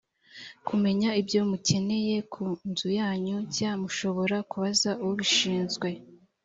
kumenya ibyo mukeneye ku nzu yanyu nshya mushobora kubaza ubishinzwe